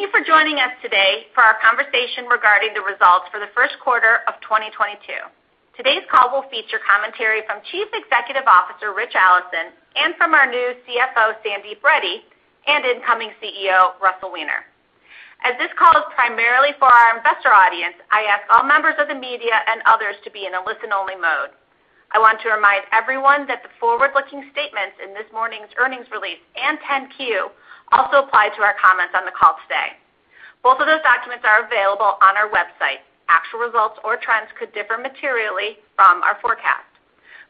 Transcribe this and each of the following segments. Thank you for joining us today for our conversation regarding the results for the first quarter of 2022. Today's call will feature commentary from Chief Executive Officer Ritch Allison, and from our new CFO, Sandeep Reddy, and incoming CEO, Russell Weiner. As this call is primarily for our investor audience, I ask all members of the media and others to be in a listen-only mode. I want to remind everyone that the forward-looking statements in this morning's earnings release and 10-Q also apply to our comments on the call today. Both of those documents are available on our website. Actual results or trends could differ materially from our forecast.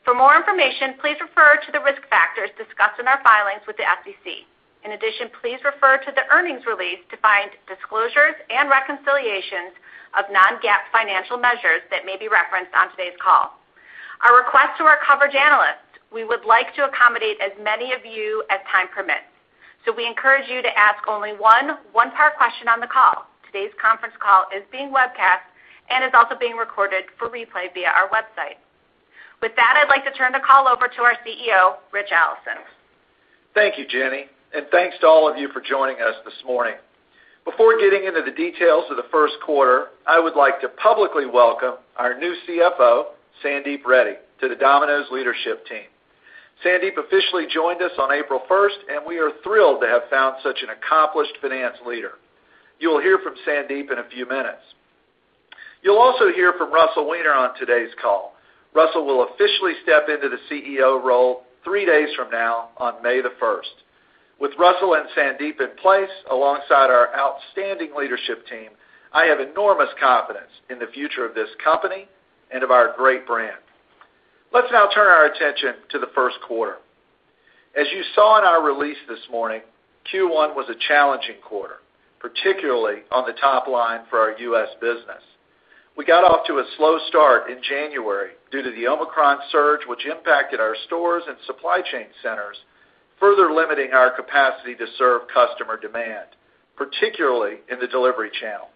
For more information, please refer to the risk factors discussed in our filings with the SEC. In addition, please refer to the earnings release to find disclosures and reconciliations of non-GAAP financial measures that may be referenced on today's call. Our request to our coverage analysts, we would like to accommodate as many of you as time permits, so we encourage you to ask only one-part question on the call. Today's conference call is being webcast and is also being recorded for replay via our website. With that, I'd like to turn the call over to our CEO, Ritch Allison. Thank you, Jenny, and thanks to all of you for joining us this morning. Before getting into the details of the first quarter, I would like to publicly welcome our new CFO, Sandeep Reddy, to the Domino's leadership team. Sandeep officially joined us on April 1, and we are thrilled to have found such an accomplished finance leader. You will hear from Sandeep in a few minutes. You'll also hear from Russell Weiner on today's call. Russell will officially step into the CEO role 3 days from now on May 1. With Russell and Sandeep in place alongside our outstanding leadership team, I have enormous confidence in the future of this company and of our great brand. Let's now turn our attention to the first quarter. As you saw in our release this morning, Q1 was a challenging quarter, particularly on the top line for our U.S. business. We got off to a slow start in January due to the Omicron surge, which impacted our stores and supply chain centers, further limiting our capacity to serve customer demand, particularly in the delivery channel.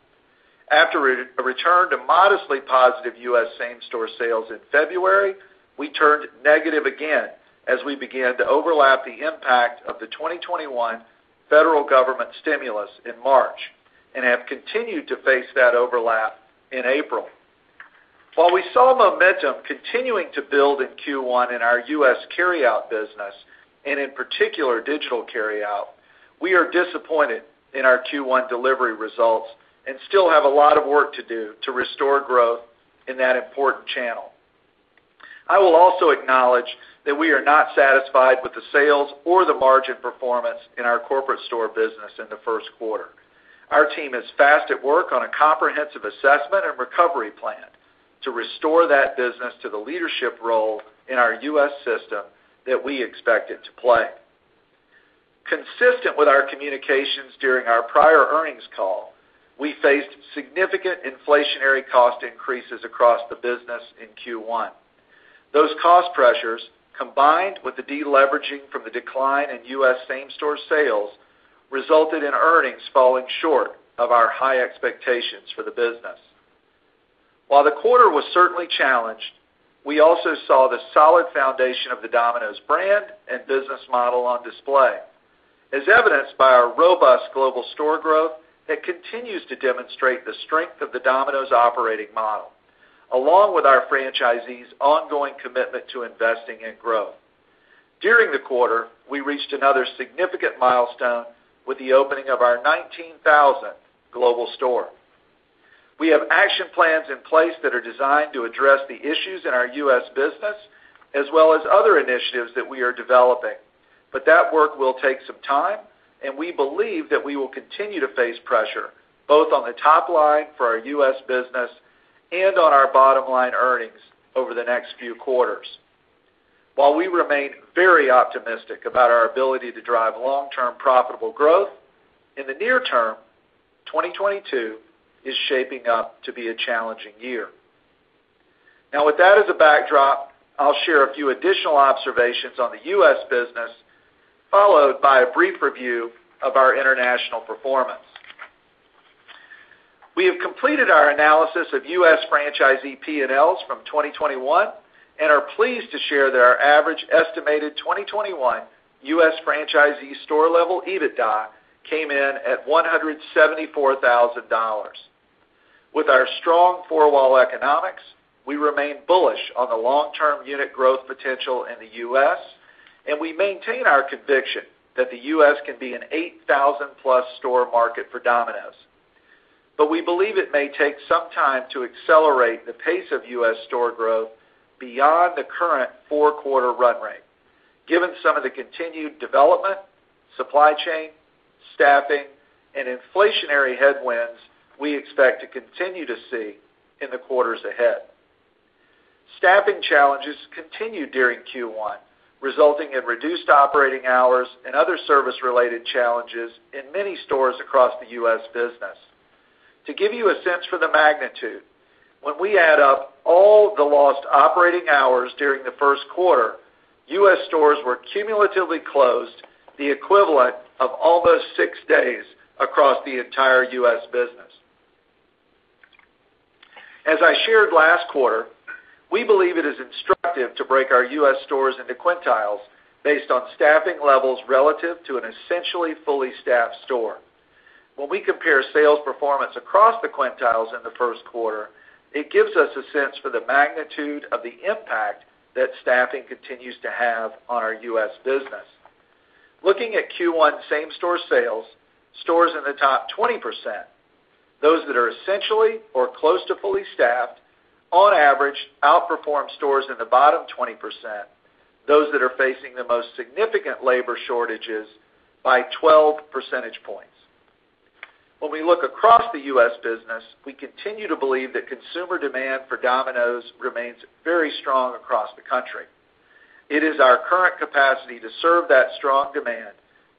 After a return to modestly positive U.S. same-store sales in February, we turned negative again as we began to overlap the impact of the 2021 federal government stimulus in March and have continued to face that overlap in April. While we saw momentum continuing to build in Q1 in our U.S. carry-out business and in particular digital carry-out, we are disappointed in our Q1 delivery results and still have a lot of work to do to restore growth in that important channel. I will also acknowledge that we are not satisfied with the sales or the margin performance in our corporate store business in the first quarter. Our team is fast at work on a comprehensive assessment and recovery plan to restore that business to the leadership role in our U.S. system that we expect it to play. Consistent with our communications during our prior earnings call, we faced significant inflationary cost increases across the business in Q1. Those cost pressures, combined with the deleveraging from the decline in U.S. same-store sales, resulted in earnings falling short of our high expectations for the business. While the quarter was certainly challenged, we also saw the solid foundation of the Domino's brand and business model on display, as evidenced by our robust global store growth that continues to demonstrate the strength of the Domino's operating model, along with our franchisees' ongoing commitment to investing in growth. During the quarter, we reached another significant milestone with the opening of our 19,000th global store. We have action plans in place that are designed to address the issues in our U.S. business as well as other initiatives that we are developing. That work will take some time, and we believe that we will continue to face pressure both on the top line for our U.S. business and on our bottom line earnings over the next few quarters. While we remain very optimistic about our ability to drive long-term profitable growth, in the near term, 2022 is shaping up to be a challenging year. Now, with that as a backdrop, I'll share a few additional observations on the U.S. business, followed by a brief review of our international performance. We have completed our analysis of U.S. franchisee P&Ls from 2021 and are pleased to share that our average estimated 2021 U.S. franchisee store-level EBITDA came in at $174,000. With our strong four-wall economics, we remain bullish on the long-term unit growth potential in the U.S., and we maintain our conviction that the U.S. can be an 8,000+ store market for Domino's. We believe it may take some time to accelerate the pace of U.S. store growth beyond the current 4-quarter run rate, given some of the continued development, supply chain, staffing, and inflationary headwinds we expect to continue to see in the quarters ahead. Staffing challenges continued during Q1, resulting in reduced operating hours and other service-related challenges in many stores across the U.S. business. To give you a sense for the magnitude, when we add up all the lost operating hours during the first quarter, US stores were cumulatively closed the equivalent of almost six days across the entire US business. As I shared last quarter, we believe it is instructive to break our US stores into quintiles based on staffing levels relative to an essentially fully staffed store. When we compare sales performance across the quintiles in the first quarter, it gives us a sense for the magnitude of the impact that staffing continues to have on our US business. Looking at Q1 same-store sales, stores in the top 20%, those that are essentially or close to fully staffed on average outperform stores in the bottom 20%, those that are facing the most significant labor shortages by 12 percentage points. When we look across the U.S. business, we continue to believe that consumer demand for Domino's remains very strong across the country. It is our current capacity to serve that strong demand,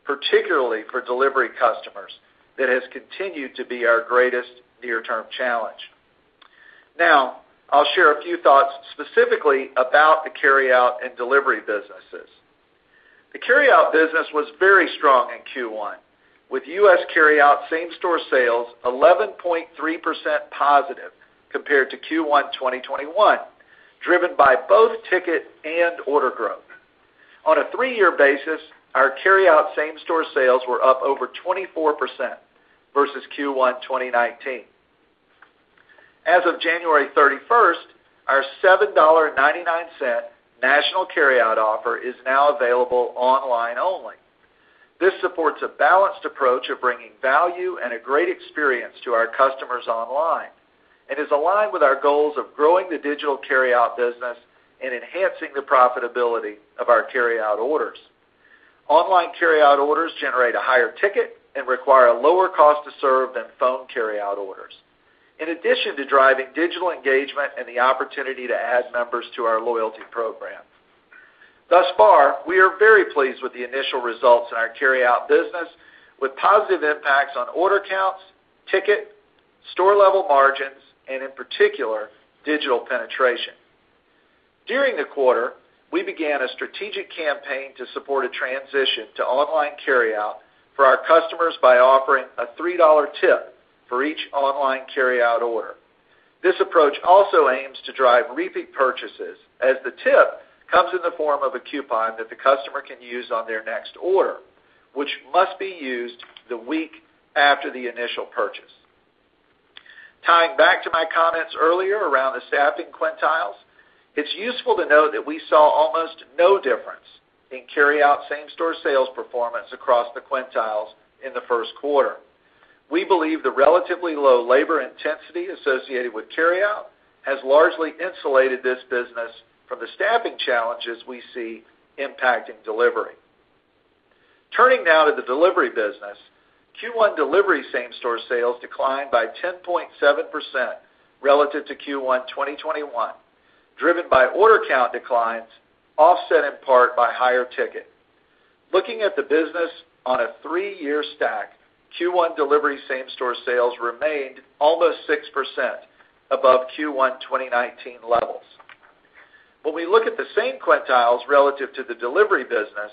particularly for delivery customers, that has continued to be our greatest near-term challenge. Now, I'll share a few thoughts specifically about the carryout and delivery businesses. The carryout business was very strong in Q1, with U.S. carryout same-store sales 11.3% positive compared to Q1 2021, driven by both ticket and order growth. On a 3-year basis, our carryout same-store sales were up over 24% versus Q1 2019. As of January thirty-first, our $7.99 national carryout offer is now available online only. This supports a balanced approach of bringing value and a great experience to our customers online and is aligned with our goals of growing the digital carryout business and enhancing the profitability of our carryout orders. Online carryout orders generate a higher ticket and require a lower cost to serve than phone carryout orders, in addition to driving digital engagement and the opportunity to add members to our loyalty program. Thus far, we are very pleased with the initial results in our carryout business, with positive impacts on order counts, ticket, store-level margins, and in particular, digital penetration. During the quarter, we began a strategic campaign to support a transition to online carryout for our customers by offering a $3 tip for each online carryout order. This approach also aims to drive repeat purchases as the tip comes in the form of a coupon that the customer can use on their next order, which must be used the week after the initial purchase. Tying back to my comments earlier around the staffing quintiles, it's useful to note that we saw almost no difference in carryout same-store sales performance across the quintiles in the first quarter. We believe the relatively low labor intensity associated with carryout has largely insulated this business from the staffing challenges we see impacting delivery. Turning now to the delivery business. Q1 delivery same-store sales declined by 10.7% relative to Q1 2021, driven by order count declines, offset in part by higher ticket. Looking at the business on a three-year stack, Q1 delivery same-store sales remained almost 6% above Q1 2019 levels. When we look at the same quintiles relative to the delivery business,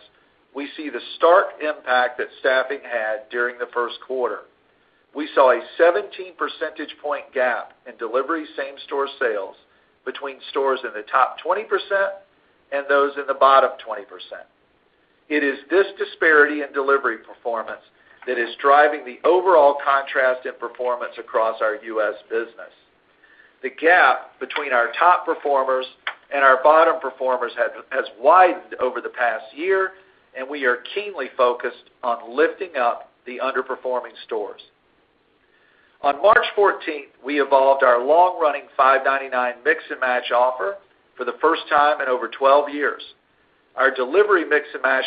we see the stark impact that staffing had during the first quarter. We saw a 17 percentage point gap in delivery same-store sales between stores in the top 20% and those in the bottom 20%. It is this disparity in delivery performance that is driving the overall contrast in performance across our U.S. business. The gap between our top performers and our bottom performers has widened over the past year, and we are keenly focused on lifting up the underperforming stores. On March 14, we evolved our long-running $5.99 Mix & Match offer for the first time in over 12 years. Our delivery Mix & Match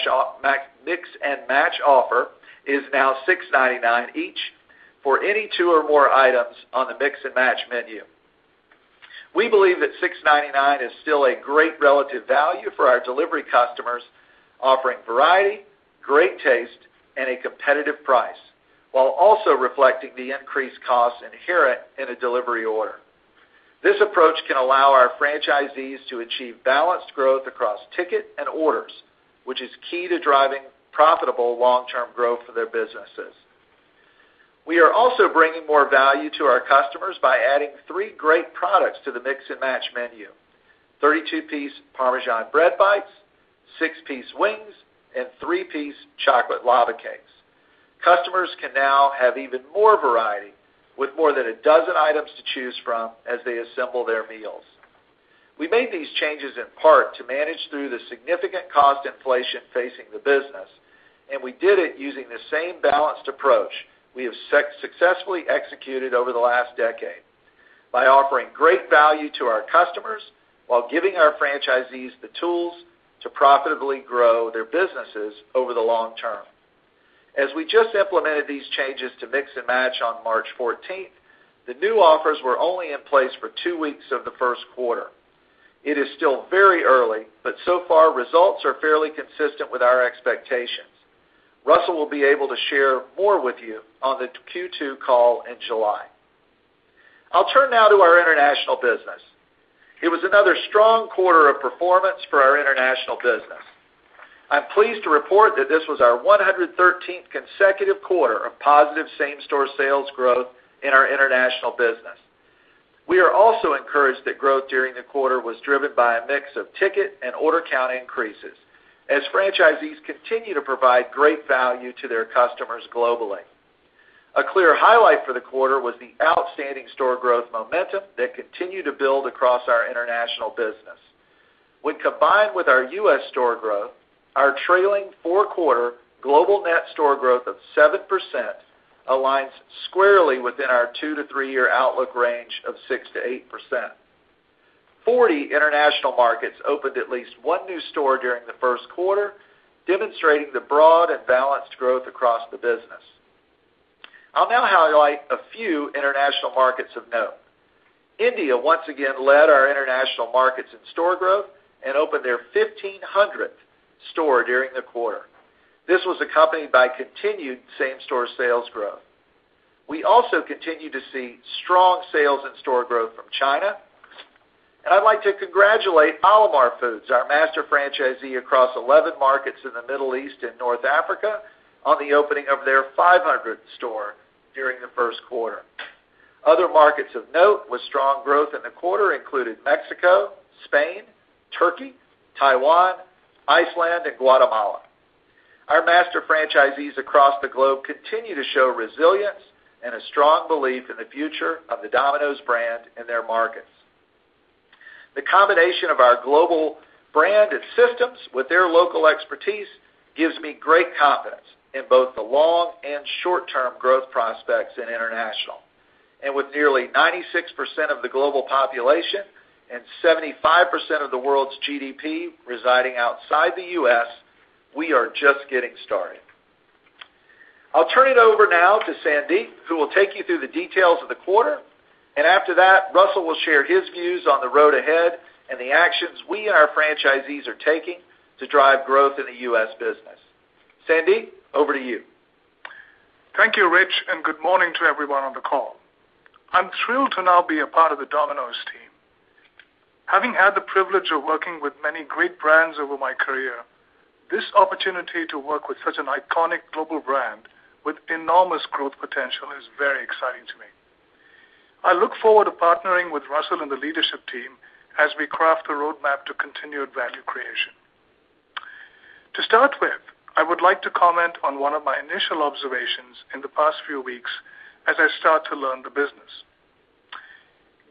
offer is now $6.99 each for any two or more items on the Mix & Match menu. We believe that $6.99 is still a great relative value for our delivery customers, offering variety, great taste, and a competitive price, while also reflecting the increased costs inherent in a delivery order. This approach can allow our franchisees to achieve balanced growth across ticket and orders, which is key to driving profitable long-term growth for their businesses. We are also bringing more value to our customers by adding 3 great products to the Mix & Match menu, 32-piece Parmesan Bread Bites, 6-piece wings, and 3-piece Chocolate Lava Cakes. Customers can now have even more variety, with more than a dozen items to choose from as they assemble their meals. We made these changes in part to manage through the significant cost inflation facing the business, and we did it using the same balanced approach we have successfully executed over the last decade by offering great value to our customers while giving our franchisees the tools to profitably grow their businesses over the long term. As we just implemented these changes to Mix & Match on March 14th, the new offers were only in place for two weeks of the first quarter. It is still very early, but so far results are fairly consistent with our expectations. Russell will be able to share more with you on the Q2 call in July. I'll turn now to our international business. It was another strong quarter of performance for our international business. I'm pleased to report that this was our 113th consecutive quarter of positive same-store sales growth in our international business. We are also encouraged that growth during the quarter was driven by a mix of ticket and order count increases as franchisees continue to provide great value to their customers globally. A clear highlight for the quarter was the outstanding store growth momentum that continued to build across our international business. When combined with our U.S. store growth, our trailing 4-quarter global net store growth of 7% aligns squarely within our 2-3 year outlook range of 6%-8%. 40 international markets opened at least 1 new store during the first quarter, demonstrating the broad and balanced growth across the business. I'll now highlight a few international markets of note. India once again led our international markets in store growth and opened their 1,500th store during the quarter. This was accompanied by continued same-store sales growth. We also continue to see strong sales and store growth from China. I'd like to congratulate Alamar Foods, our master franchisee across 11 markets in the Middle East and North Africa on the opening of their 500th store during the first quarter. Other markets of note with strong growth in the quarter included Mexico, Spain, Turkey, Taiwan, Iceland, and Guatemala. Our master franchisees across the globe continue to show resilience and a strong belief in the future of the Domino's brand in their markets. The combination of our global brand and systems with their local expertise gives me great confidence in both the long and short-term growth prospects in international. With nearly 96% of the global population and 75% of the world's GDP residing outside the U.S., we are just getting started. I'll turn it over now to Sandeep, who will take you through the details of the quarter, and after that, Russell will share his views on the road ahead and the actions we and our franchisees are taking to drive growth in the U.S. business. Sandeep, over to you. Thank you, Ritch, and good morning to everyone on the call. I'm thrilled to now be a part of the Domino's team. Having had the privilege of working with many great brands over my career, this opportunity to work with such an iconic global brand with enormous growth potential is very exciting to me. I look forward to partnering with Russell and the leadership team as we craft a roadmap to continued value creation. To start with, I would like to comment on one of my initial observations in the past few weeks as I start to learn the business.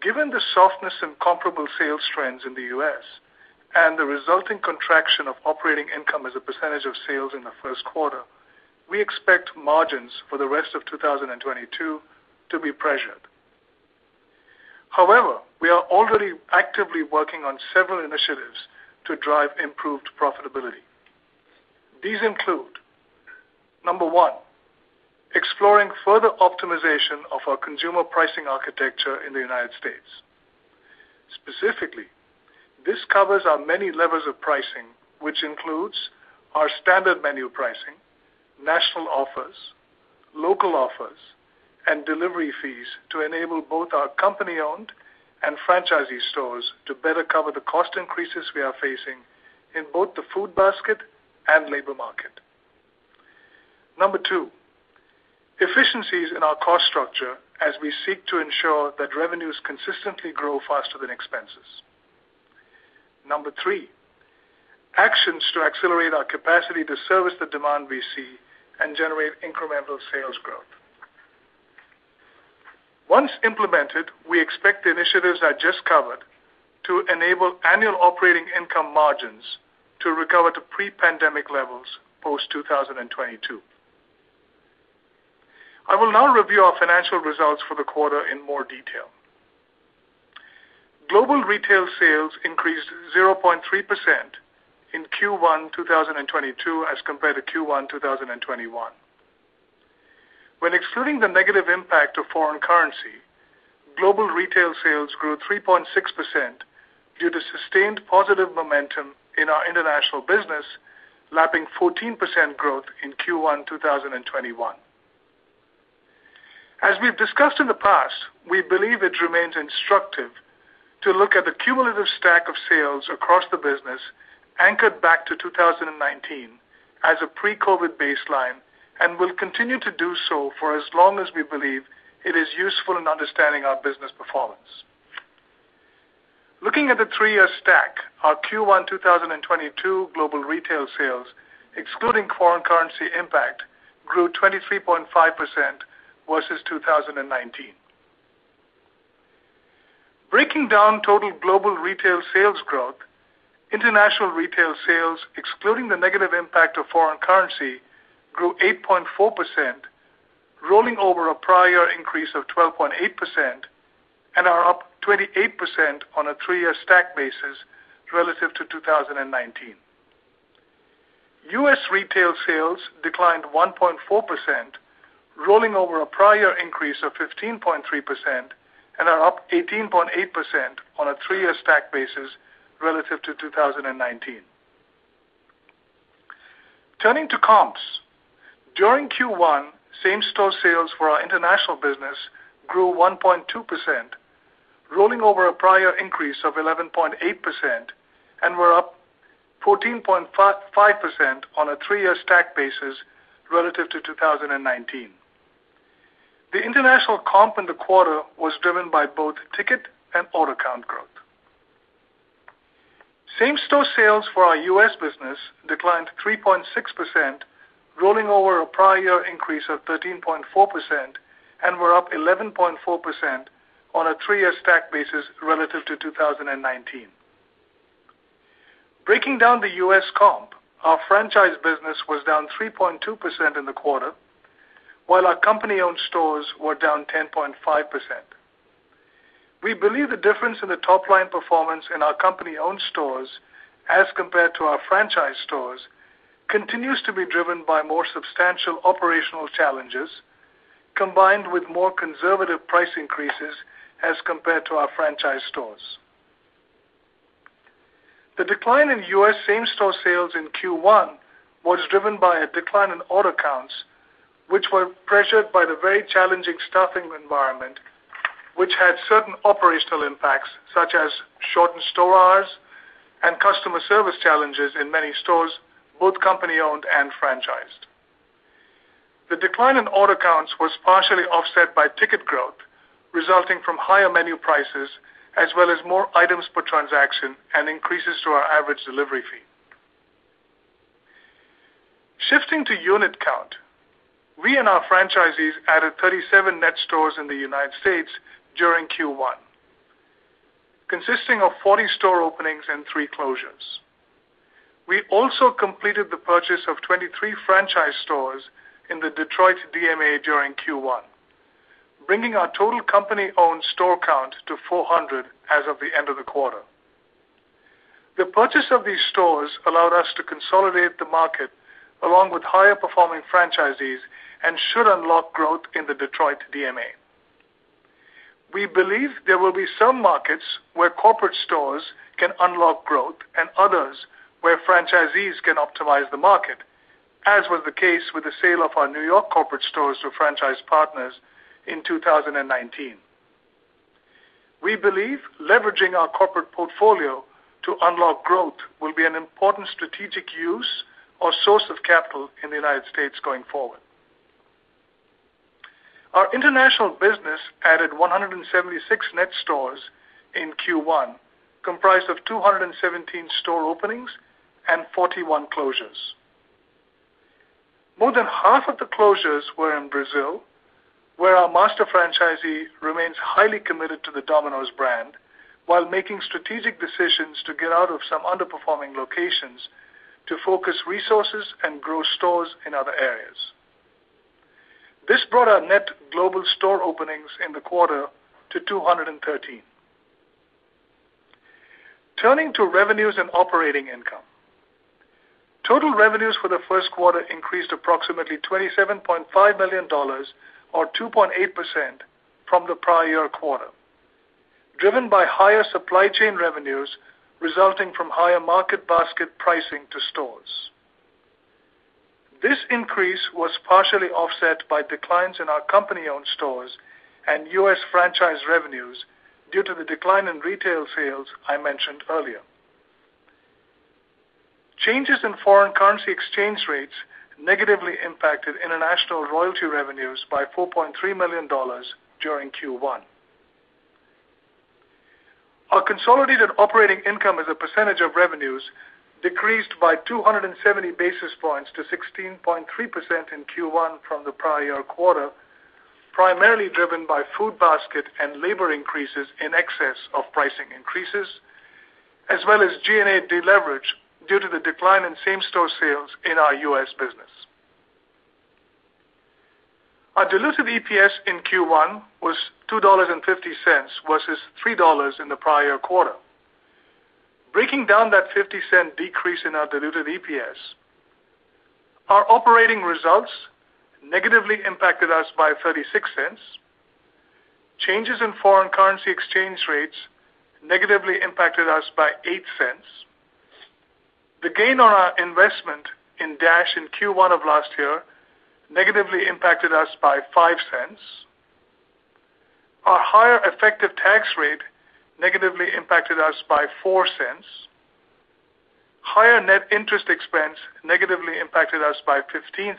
Given the softness in comparable sales trends in the U.S. and the resulting contraction of operating income as a percentage of sales in the first quarter, we expect margins for the rest of 2022 to be pressured. However, we are already actively working on several initiatives to drive improved profitability. These include, number 1, exploring further optimization of our consumer pricing architecture in the United States. Specifically, this covers our many levers of pricing, which includes our standard menu pricing, national offers, local offers, and delivery fees to enable both our company-owned and franchisee stores to better cover the cost increases we are facing in both the food basket and labor market. Number 2, efficiencies in our cost structure as we seek to ensure that revenues consistently grow faster than expenses. Number 3, actions to accelerate our capacity to service the demand we see and generate incremental sales growth. Once implemented, we expect the initiatives I just covered to enable annual operating income margins to recover to pre-pandemic levels post 2022. I will now review our financial results for the quarter in more detail. Global retail sales increased 0.3% in Q1 2022 as compared to Q1 2021. When excluding the negative impact of foreign currency, global retail sales grew 3.6% due to sustained positive momentum in our international business, lapping 14% growth in Q1 2021. We've discussed in the past, we believe it remains instructive to look at the cumulative stack of sales across the business anchored back to 2019 as a pre-COVID baseline and will continue to do so for as long as we believe it is useful in understanding our business performance. Looking at the three-year stack, our Q1 2022 global retail sales, excluding foreign currency impact, grew 23.5% versus 2019. Breaking down total global retail sales growth, international retail sales, excluding the negative impact of foreign currency, grew 8.4%, rolling over a prior increase of 12.8% and are up 28% on a three-year stack basis relative to 2019. U.S. retail sales declined 1.4%, rolling over a prior increase of 15.3% and are up 18.8% on a three-year stack basis relative to 2019. Turning to comps. During Q1, same-store sales for our international business grew 1.2%, rolling over a prior increase of 11.8% and were up 14.5% on a three-year stack basis relative to 2019. The international comp in the quarter was driven by both ticket and order count growth. Same-store sales for our U.S. business declined 3.6%, rolling over a prior increase of 13.4% and were up 11.4% on a three-year stack basis relative to 2019. Breaking down the U.S. comp, our franchise business was down 3.2% in the quarter, while our company-owned stores were down 10.5%. We believe the difference in the top-line performance in our company-owned stores as compared to our franchise stores continues to be driven by more substantial operational challenges, combined with more conservative price increases as compared to our franchise stores. The decline in U.S. same-store sales in Q1 was driven by a decline in order counts, which were pressured by the very challenging staffing environment, which had certain operational impacts, such as shortened store hours and customer service challenges in many stores, both company-owned and franchised. The decline in order counts was partially offset by ticket growth, resulting from higher menu prices as well as more items per transaction and increases to our average delivery fee. Shifting to unit count, we and our franchisees added 37 net stores in the United States during Q1, consisting of 40 store openings and 3 closures. We also completed the purchase of 23 franchise stores in the Detroit DMA during Q1, bringing our total company-owned store count to 400 as of the end of the quarter. The purchase of these stores allowed us to consolidate the market along with higher-performing franchisees and should unlock growth in the Detroit DMA. We believe there will be some markets where corporate stores can unlock growth and others where franchisees can optimize the market, as was the case with the sale of our New York corporate stores to franchise partners in 2019. We believe leveraging our corporate portfolio to unlock growth will be an important strategic use or source of capital in the United States going forward. Our international business added 176 net stores in Q1, comprised of 217 store openings and 41 closures. More than half of the closures were in Brazil, where our master franchisee remains highly committed to the Domino's brand while making strategic decisions to get out of some underperforming locations to focus resources and grow stores in other areas. This brought our net global store openings in the quarter to 213. Turning to revenues and operating income. Total revenues for the first quarter increased approximately $27.5 million or 2.8% from the prior year quarter, driven by higher supply chain revenues resulting from higher market basket pricing to stores. This increase was partially offset by declines in our company-owned stores and US franchise revenues due to the decline in retail sales I mentioned earlier. Changes in foreign currency exchange rates negatively impacted international royalty revenues by $4.3 million during Q1. Our consolidated operating income as a percentage of revenues decreased by 270 basis points to 16.3% in Q1 from the prior year quarter, primarily driven by food basket and labor increases in excess of pricing increases, as well as G&A deleverage due to the decline in same-store sales in our U.S. business. Our diluted EPS in Q1 was $2.50 versus $3 in the prior quarter. Breaking down that 50-cent decrease in our diluted EPS, our operating results negatively impacted us by $0.36. Changes in foreign currency exchange rates negatively impacted us by $0.08. The gain on our investment in DoorDash in Q1 of last year negatively impacted us by $0.05. Our higher effective tax rate negatively impacted us by $0.04. Higher net interest expense negatively impacted us by $0.15,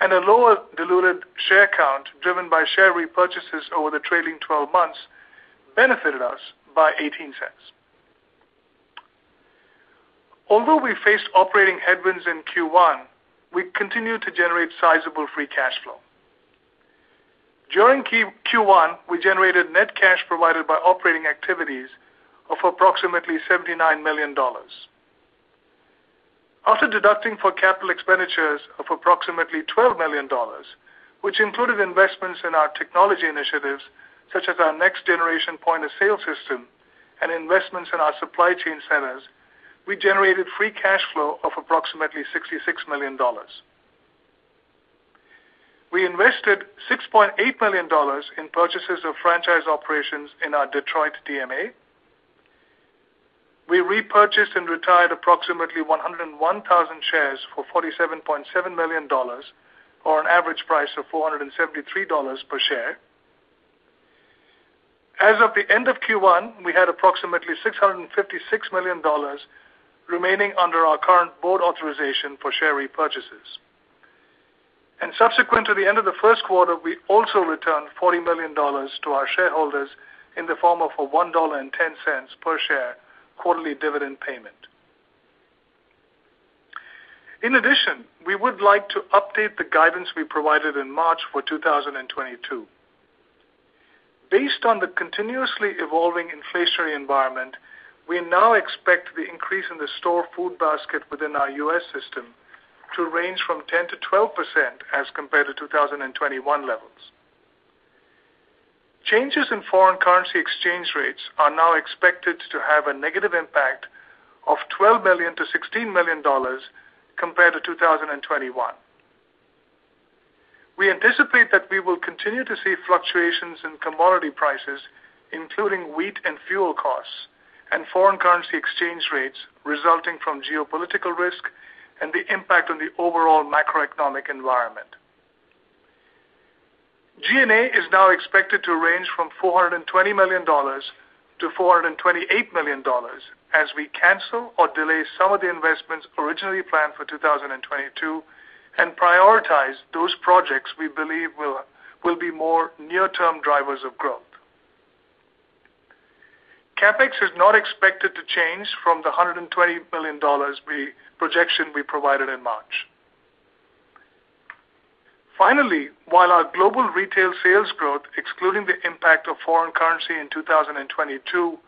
and a lower diluted share count driven by share repurchases over the trailing twelve months benefited us by $0.18. Although we faced operating headwinds in Q1, we continued to generate sizable free cash flow. During Q1, we generated net cash provided by operating activities of approximately $79 million. After deducting for capital expenditures of approximately $12 million, which included investments in our technology initiatives, such as our next-generation point-of-sale system and investments in our supply chain centers, we generated free cash flow of approximately $66 million. We invested $6.8 million in purchases of franchise operations in our Detroit DMA. We repurchased and retired approximately 101,000 shares for $47.7 million or an average price of $473 per share. As of the end of Q1, we had approximately $656 million remaining under our current board authorization for share repurchases. Subsequent to the end of the first quarter, we also returned $40 million to our shareholders in the form of a $1.10 per share quarterly dividend payment. In addition, we would like to update the guidance we provided in March for 2022. Based on the continuously evolving inflationary environment, we now expect the increase in the store food basket within our U.S. system to range from 10%-12% as compared to 2021 levels. Changes in foreign currency exchange rates are now expected to have a negative impact of $12 million-$16 million compared to 2021. We anticipate that we will continue to see fluctuations in commodity prices, including wheat and fuel costs and foreign currency exchange rates resulting from geopolitical risk and the impact on the overall macroeconomic environment. G&A is now expected to range from $420 million-$428 million as we cancel or delay some of the investments originally planned for 2022 and prioritize those projects we believe will be more near-term drivers of growth. CapEx is not expected to change from the $120 million projection we provided in March. Finally, while our global retail sales growth, excluding the impact of foreign currency in 2022,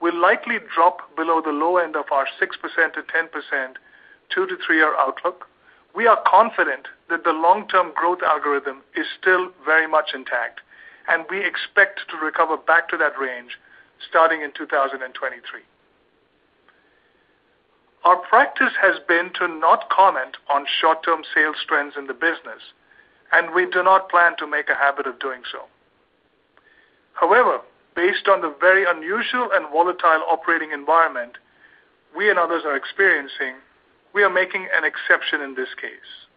will likely drop below the low end of our 6%-10% 2-3-year outlook, we are confident that the long-term growth algorithm is still very much intact, and we expect to recover back to that range starting in 2023. Our practice has been to not comment on short-term sales trends in the business, and we do not plan to make a habit of doing so. However, based on the very unusual and volatile operating environment we and others are experiencing, we are making an exception in this case.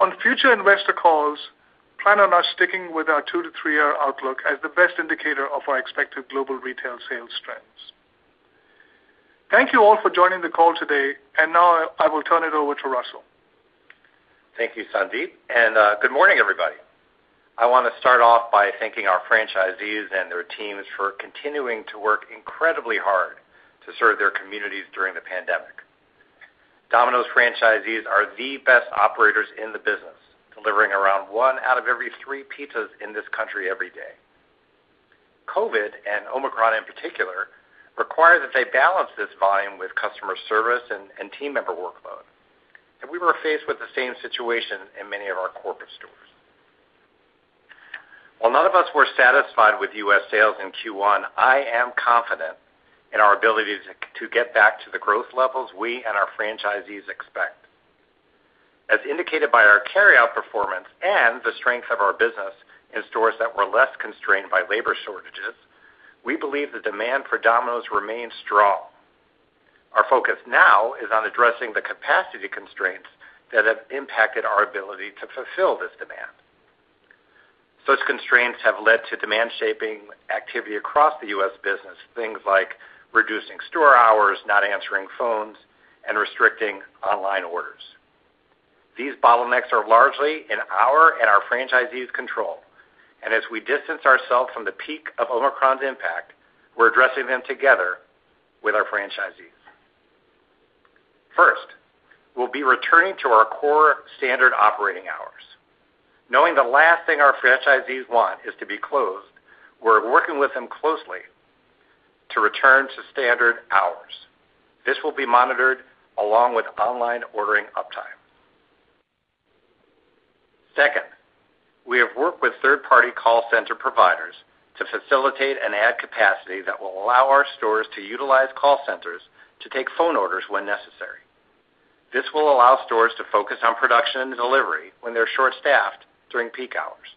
On future investor calls, plan on us sticking with our 2-3-year outlook as the best indicator of our expected global retail sales trends. Thank you all for joining the call today. Now I will turn it over to Russell. Thank you, Sandeep. Good morning, everybody. I wanna start off by thanking our franchisees and their teams for continuing to work incredibly hard to serve their communities during the pandemic. Domino's franchisees are the best operators in the business, delivering around 1/3 of the pizzas in this country every day. COVID and Omicron, in particular, require that they balance this volume with customer service and team member workload. We were faced with the same situation in many of our corporate stores. While none of us were satisfied with U.S. sales in Q1, I am confident in our ability to get back to the growth levels we and our franchisees expect. As indicated by our carry-out performance and the strength of our business in stores that were less constrained by labor shortages, we believe the demand for Domino's remains strong. Our focus now is on addressing the capacity constraints that have impacted our ability to fulfill this demand. Such constraints have led to demand shaping activity across the U.S. business. Things like reducing store hours, not answering phones, and restricting online orders. These bottlenecks are largely in our and our franchisees' control. As we distance ourselves from the peak of Omicron's impact, we're addressing them together with our franchisees. First, we'll be returning to our core standard operating hours. Knowing the last thing our franchisees want is to be closed, we're working with them closely to return to standard hours. This will be monitored along with online ordering uptime. Second, we have worked with third-party call center providers to facilitate and add capacity that will allow our stores to utilize call centers to take phone orders when necessary. This will allow stores to focus on production and delivery when they're short-staffed during peak hours.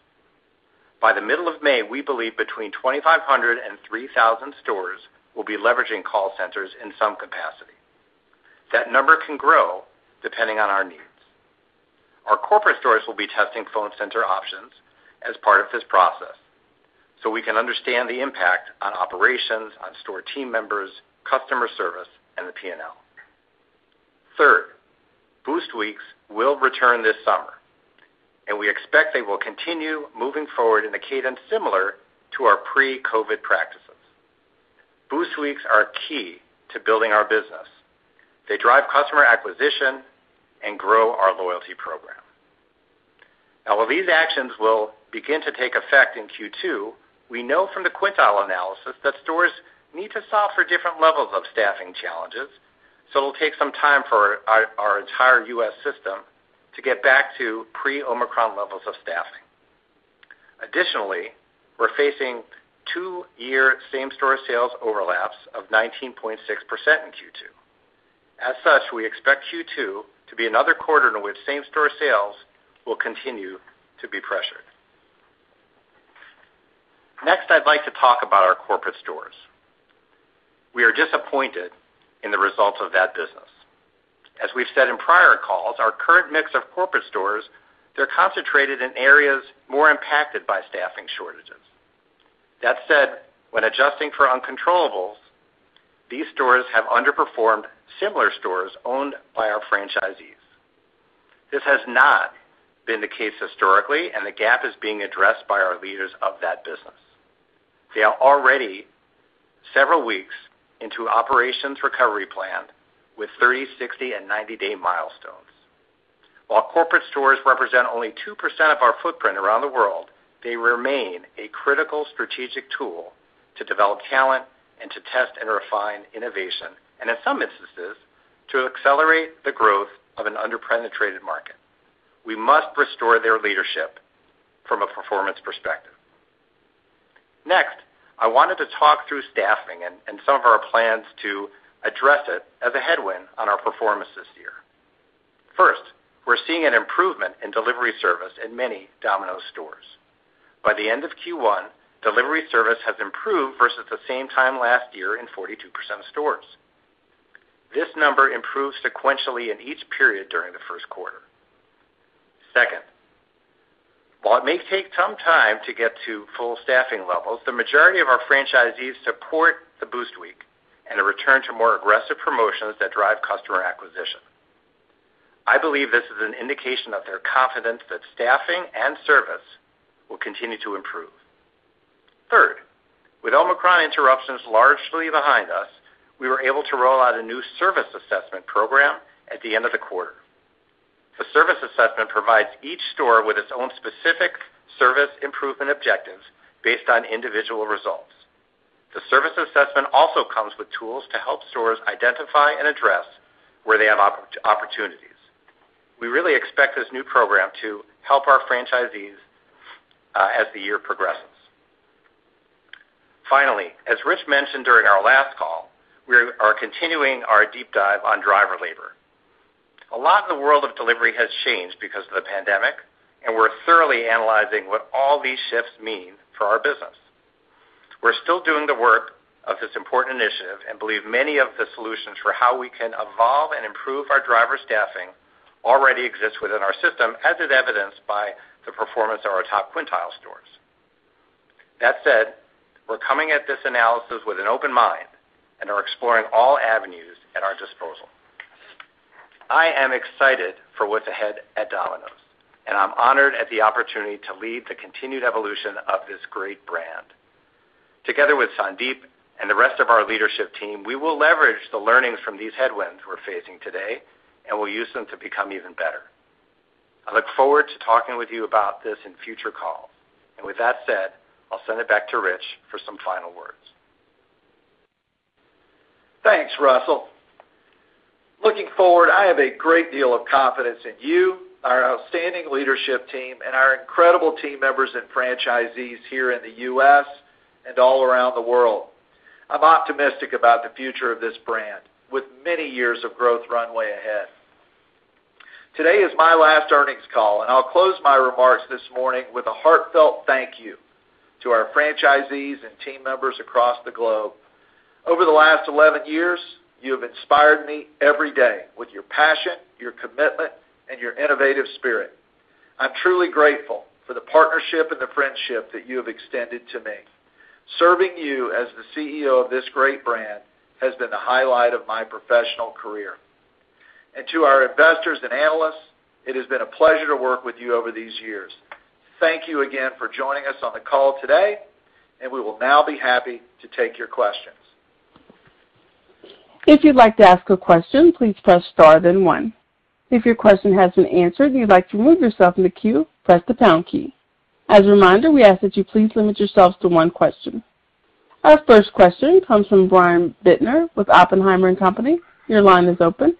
By the middle of May, we believe between 2,500 and 3,000 stores will be leveraging call centers in some capacity. That number can grow depending on our needs. Our corporate stores will be testing phone center options as part of this process, so we can understand the impact on operations, on store team members, customer service, and the P&L. Third, Boost Weeks will return this summer, and we expect they will continue moving forward in a cadence similar to our pre-COVID practices. Boost Weeks are key to building our business. They drive customer acquisition and grow our loyalty program. Now, while these actions will begin to take effect in Q2, we know from the quintile analysis that stores need to solve for different levels of staffing challenges, so it'll take some time for our entire U.S. system to get back to pre-Omicron levels of staffing. Additionally, we're facing two-year same-store sales overlaps of 19.6% in Q2. As such, we expect Q2 to be another quarter in which same-store sales will continue to be pressured. Next, I'd like to talk about our corporate stores. We are disappointed in the results of that business. As we've said in prior calls, our current mix of corporate stores, they're concentrated in areas more impacted by staffing shortages. That said, when adjusting for uncontrollables, these stores have underperformed similar stores owned by our franchisees. This has not been the case historically, and the gap is being addressed by our leaders of that business. They are already several weeks into operations recovery plan with 30-, 60-, and 90-day milestones. While corporate stores represent only 2% of our footprint around the world, they remain a critical strategic tool to develop talent and to test and refine innovation, and in some instances, to accelerate the growth of an under-penetrated market. We must restore their leadership from a performance perspective. Next, I wanted to talk through staffing and some of our plans to address it as a headwind on our performance this year. First, we're seeing an improvement in delivery service in many Domino's stores. By the end of Q1, delivery service has improved versus the same time last year in 42% of stores. This number improved sequentially in each period during the first quarter. Second, while it may take some time to get to full staffing levels, the majority of our franchisees support the boost week and a return to more aggressive promotions that drive customer acquisition. I believe this is an indication of their confidence that staffing and service will continue to improve. Third, with Omicron interruptions largely behind us, we were able to roll out a new service assessment program at the end of the quarter. The service assessment provides each store with its own specific service improvement objectives based on individual results. The service assessment also comes with tools to help stores identify and address where they have opportunities. We really expect this new program to help our franchisees as the year progresses. Finally, as Rich mentioned during our last call, we are continuing our deep dive on driver labor. A lot of the world of delivery has changed because of the pandemic, and we're thoroughly analyzing what all these shifts mean for our business. We're still doing the work of this important initiative and believe many of the solutions for how we can evolve and improve our driver staffing already exists within our system, as is evidenced by the performance of our top quintile stores. That said, we're coming at this analysis with an open mind and are exploring all avenues at our disposal. I am excited for what's ahead at Domino's, and I'm honored at the opportunity to lead the continued evolution of this great brand. Together with Sandeep and the rest of our leadership team, we will leverage the learnings from these headwinds we're facing today, and we'll use them to become even better. I look forward to talking with you about this in future calls. With that said, I'll send it back to Rich for some final words. Thanks, Russell. Looking forward, I have a great deal of confidence in you, our outstanding leadership team, and our incredible team members and franchisees here in the U.S. and all around the world. I'm optimistic about the future of this brand with many years of growth runway ahead. Today is my last earnings call, and I'll close my remarks this morning with a heartfelt thank you to our franchisees and team members across the globe. Over the last 11 years, you have inspired me every day with your passion, your commitment, and your innovative spirit. I'm truly grateful for the partnership and the friendship that you have extended to me. Serving you as the CEO of this great brand has been the highlight of my professional career. To our investors and analysts, it has been a pleasure to work with you over these years. Thank you again for joining us on the call today, and we will now be happy to take your questions. If you'd like to ask a question, please press star then one. If your question has been answered and you'd like to remove yourself from the queue, press the pound key. As a reminder, we ask that you please limit yourselves to one question. Our first question comes from Brian Bittner with Oppenheimer & Co. Your line is open.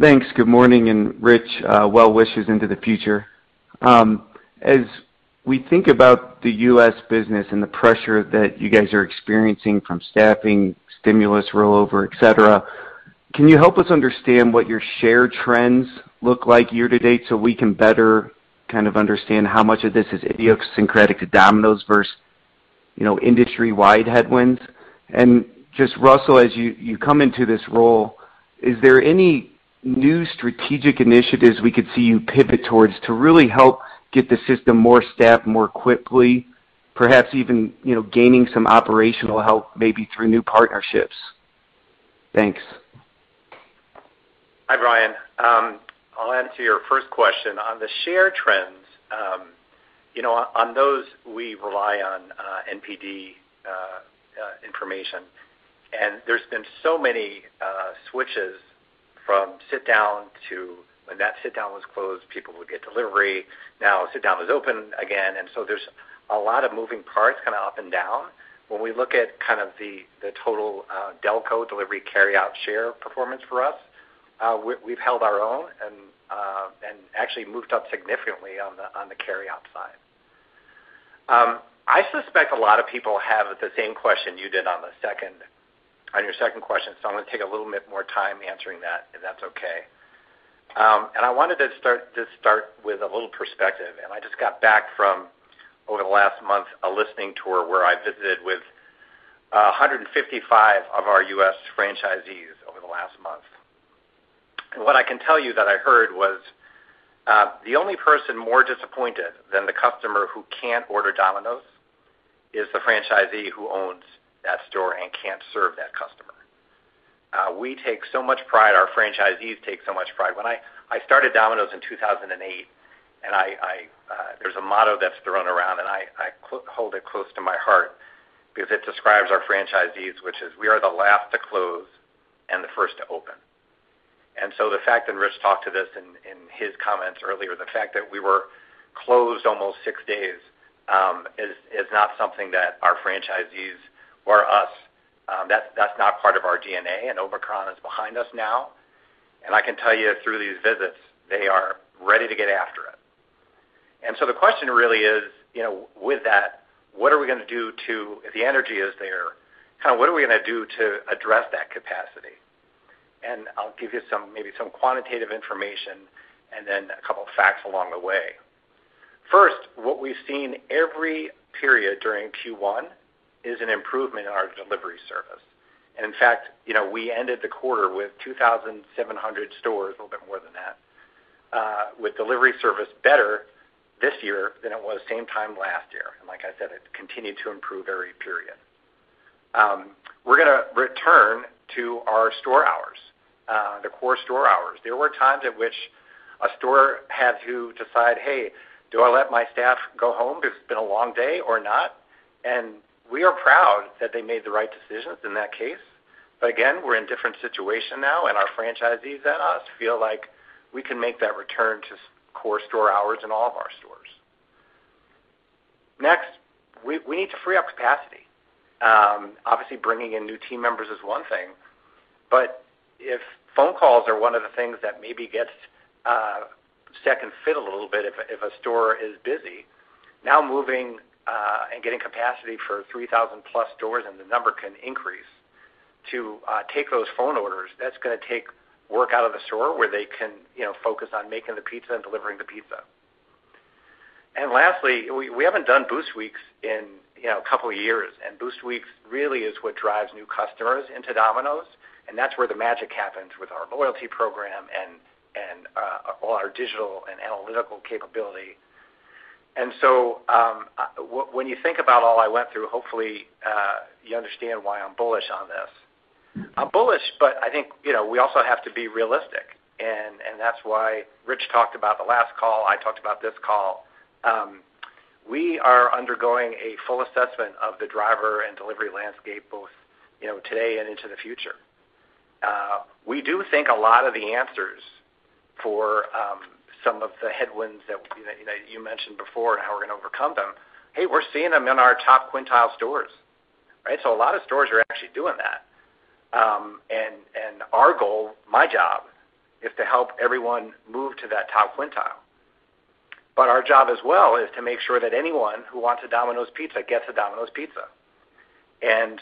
Thanks. Good morning. Rich, well wishes into the future. As we think about the U.S. business and the pressure that you guys are experiencing from staffing, stimulus rollover, et cetera, can you help us understand what your share trends look like year to date so we can better kind of understand how much of this is idiosyncratic to Domino's versus, you know, industry-wide headwinds? Just Russell, as you come into this role, is there any new strategic initiatives we could see you pivot towards to really help get the system more staffed more quickly, perhaps even, you know, gaining some operational help maybe through new partnerships? Thanks. Hi, Brian. I'll answer your first question. On the share trends, you know, on those we rely on NPD information, and there's been so many switches from sit-down to when that sit-down was closed, people would get delivery. Now sit-down is open again. There's a lot of moving parts kinda up and down. When we look at kind of the total DELCO delivery carry-out share performance for us, we've held our own and actually moved up significantly on the carryout side. I suspect a lot of people have the same question you did on your second question, so I'm gonna take a little bit more time answering that, if that's okay. I wanted to start with a little perspective. I just got back from, over the last month, a listening tour where I visited with 155 of our US franchisees over the last month. What I can tell you that I heard was the only person more disappointed than the customer who can't order Domino's is the franchisee who owns that store and can't serve that customer. We take so much pride, our franchisees take so much pride. When I started Domino's in 2008, there's a motto that's thrown around, and I hold it close to my heart because it describes our franchisees, which is, "We are the last to close and the first to open." The fact, and Rich talked to this in his comments earlier, the fact that we were closed almost six days, is not something that our franchisees or us, that's not part of our DNA. Omicron is behind us now. I can tell you through these visits, they are ready to get after it. The question really is, you know, with that, what are we gonna do. The energy is there. Kinda what are we gonna do to address that capacity? I'll give you some, maybe some quantitative information and then a couple of facts along the way. First, what we've seen every period during Q1 is an improvement in our delivery service. In fact, you know, we ended the quarter with 2,700 stores, a little bit more than that, with delivery service better this year than it was same time last year. Like I said, it continued to improve every period. We're gonna return to our store hours, the core store hours. There were times at which a store had to decide, "Hey, do I let my staff go home because it's been a long day or not?" We are proud that they made the right decisions in that case. Again, we're in different situation now, and our franchisees and us feel like we can make that return to core store hours in all of our stores. Next, we need to free up capacity. Obviously bringing in new team members is one thing, but if phone calls are one of the things that maybe gets second fiddle a little bit if a store is busy, now moving and getting capacity for 3,000+ stores, and the number can increase, to take those phone orders, that's gonna take work out of the store where they can, you know, focus on making the pizza and delivering the pizza. Lastly, we haven't done Boost Weeks in, you know, a couple of years. Boost Weeks really is what drives new customers into Domino's, and that's where the magic happens with our loyalty program and all our digital and analytical capability. When you think about all I went through, hopefully you understand why I'm bullish on this. I'm bullish, but I think, you know, we also have to be realistic and that's why Rich talked about the last call, I talked about this call. We are undergoing a full assessment of the driver and delivery landscape both, you know, today and into the future. We do think a lot of the answers for some of the headwinds that, you know, you mentioned before and how we're gonna overcome them, hey, we're seeing them in our top quintile stores, right? A lot of stores are actually doing that. Our goal, my job, is to help everyone move to that top quintile. Our job as well is to make sure that anyone who wants a Domino's pizza gets a Domino's pizza.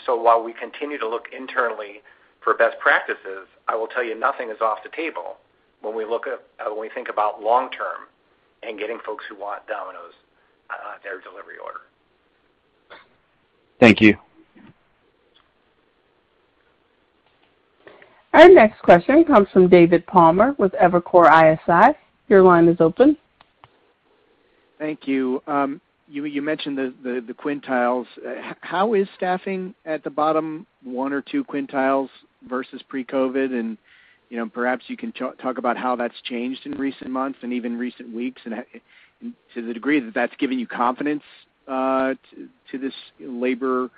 While we continue to look internally for best practices, I will tell you nothing is off the table when we think about long term and getting folks who want Domino's their delivery order. Thank you. Our next question comes from David Palmer with Evercore ISI. Your line is open. Thank you. You mentioned the quintiles. How is staffing at the bottom one or two quintiles versus pre-COVID? You know, perhaps you can talk about how that's changed in recent months and even recent weeks, to the degree that that's given you confidence to this labor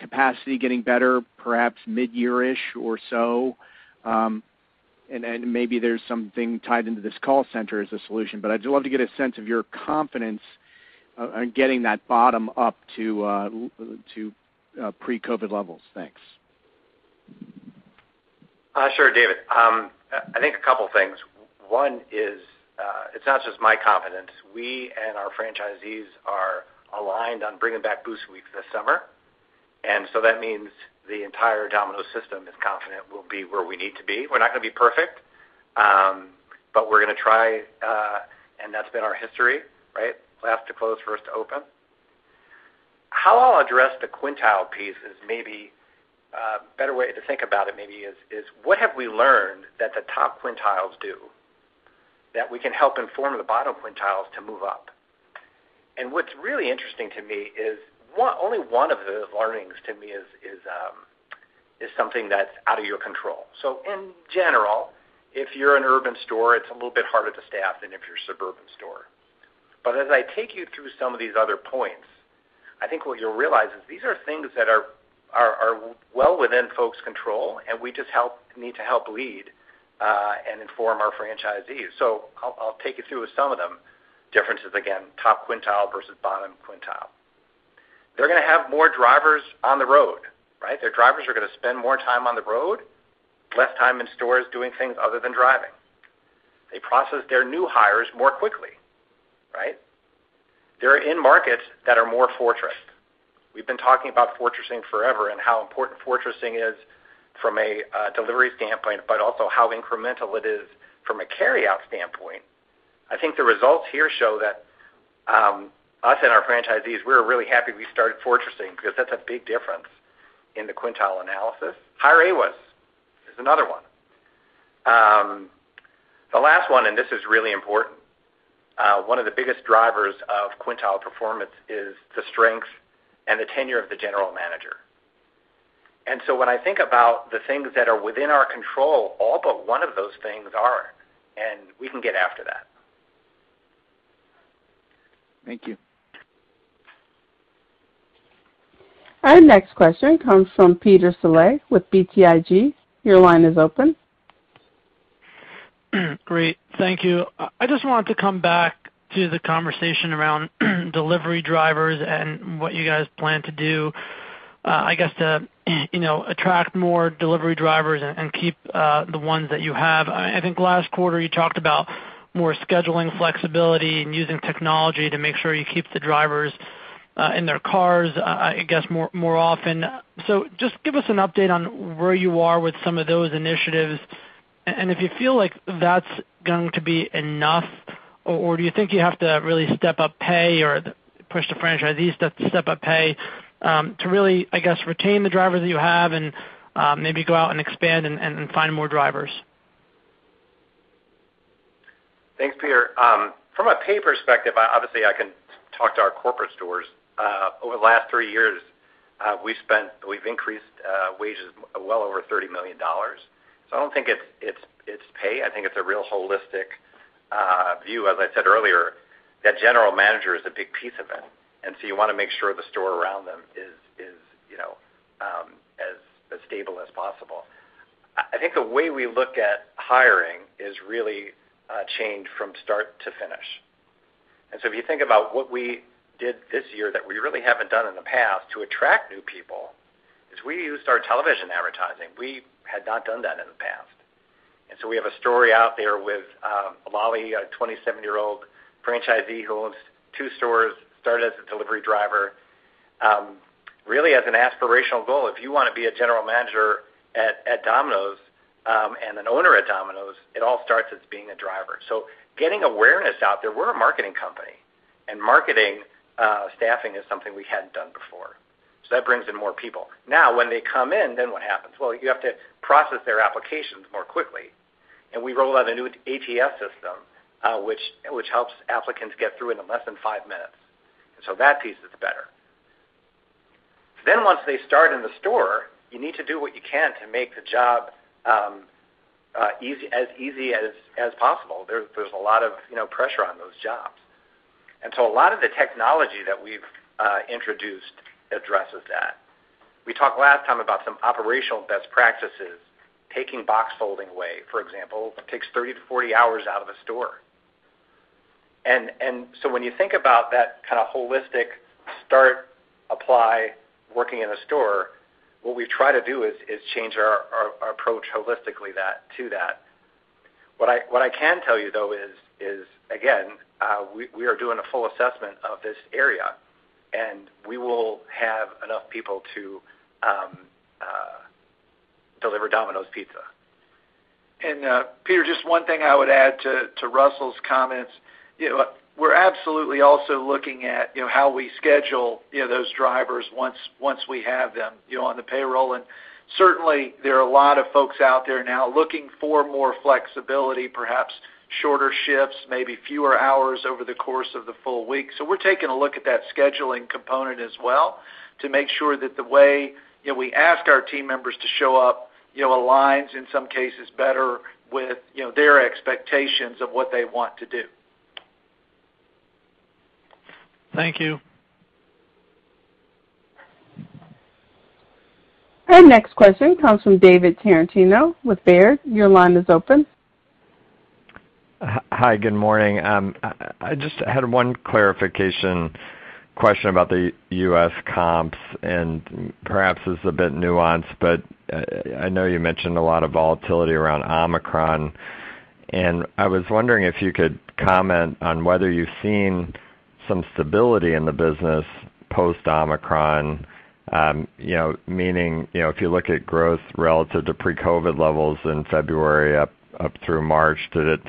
capacity getting better perhaps midyear-ish or so. Then maybe there's something tied into this call center as a solution. I'd love to get a sense of your confidence on getting that bottom up to pre-COVID levels. Thanks. Sure, David. I think a couple things. One is, it's not just my confidence. We and our franchisees are aligned on bringing back Boost Week this summer. That means the entire Domino system is confident we'll be where we need to be. We're not gonna be perfect, but we're gonna try, and that's been our history, right? Last to close, first to open. How I'll address the quintile piece is maybe a better way to think about it maybe is what have we learned that the top quintiles do that we can help inform the bottom quintiles to move up? What's really interesting to me is only one of the learnings to me is something that's out of your control. In general, if you're an urban store, it's a little bit harder to staff than if you're a suburban store. As I take you through some of these other points, I think what you'll realize is these are things that are well within folks' control, and we just need to help lead and inform our franchisees. I'll take you through some of them, differences again, top quintile versus bottom quintile. They're gonna have more drivers on the road, right? Their drivers are gonna spend more time on the road, less time in stores doing things other than driving. They process their new hires more quickly, right? They're in markets that are more fortressed. We've been talking about fortressing forever and how important fortressing is from a delivery standpoint, but also how incremental it is from a carryout standpoint. I think the results here show that, us and our franchisees, we're really happy we started fortressing because that's a big difference in the quintile analysis. Higher AOS is another one. The last one, and this is really important, one of the biggest drivers of quintile performance is the strength and the tenure of the general manager. When I think about the things that are within our control, all but one of those things are, and we can get after that. Thank you. Our next question comes from Peter Saleh with BTIG. Your line is open. Great. Thank you. I just wanted to come back to the conversation around delivery drivers and what you guys plan to do, I guess to, you know, attract more delivery drivers and keep the ones that you have. I think last quarter you talked about more scheduling flexibility and using technology to make sure you keep the drivers in their cars, I guess, more often. Just give us an update on where you are with some of those initiatives. If you feel like that's going to be enough, or do you think you have to really step up pay or push the franchisees to step up pay, to really, I guess, retain the drivers that you have and maybe go out and expand and find more drivers? Thanks, Peter. From a pay perspective, obviously I can talk to our corporate stores. Over the last three years, we've increased wages well over $30 million. I don't think it's pay. I think it's a real holistic view. As I said earlier, that general manager is a big piece of it, and so you wanna make sure the store around them is, you know, as stable as possible. I think the way we look at hiring is really changed from start to finish. If you think about what we did this year that we really haven't done in the past to attract new people, is we used our television advertising. We had not done that in the past. We have a story out there with Lolly, a 27-year-old franchisee who owns two stores, started as a delivery driver, really as an aspirational goal. If you wanna be a general manager at Domino's, and an owner at Domino's, it all starts as being a driver. Getting awareness out there, we're a marketing company, and marketing staffing is something we hadn't done before. That brings in more people. Now, when they come in, what happens? Well, you have to process their applications more quickly. We rolled out a new ATS system, which helps applicants get through in less than five minutes. That piece is better. Once they start in the store, you need to do what you can to make the job easy, as easy as possible. There's a lot of, you know, pressure on those jobs. A lot of the technology that we've introduced addresses that. We talked last time about some operational best practices. Taking box folding away, for example, takes 30-40 hours out of a store. When you think about that kind of holistic working in a store, what we try to do is change our approach holistically to that. What I can tell you, though, is again, we are doing a full assessment of this area. We will have enough people to deliver Domino's Pizza. Peter, just one thing I would add to Russell's comments. You know, we're absolutely also looking at, you know, how we schedule, you know, those drivers once we have them, you know, on the payroll. Certainly, there are a lot of folks out there now looking for more flexibility, perhaps shorter shifts, maybe fewer hours over the course of the full week. We're taking a look at that scheduling component as well to make sure that the way, you know, we ask our team members to show up, you know, aligns in some cases better with, you know, their expectations of what they want to do. Thank you. Our next question comes from David Tarantino with Baird. Your line is open. Hi, good morning. I just had one clarification question about the U.S. comps, and perhaps this is a bit nuanced, but I know you mentioned a lot of volatility around Omicron. I was wondering if you could comment on whether you've seen some stability in the business post-Omicron. You know, meaning, you know, if you look at growth relative to pre-COVID levels in February up through March, did it